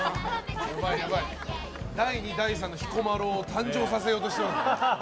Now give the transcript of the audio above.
第２、第３の彦摩呂を誕生させようとしてます。